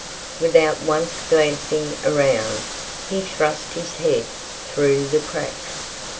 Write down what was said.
Without once glancing around, he thrust his head through the crack.